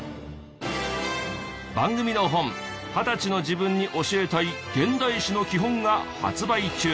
番組の本『２０歳の自分に教えたい現代史のきほん』が発売中。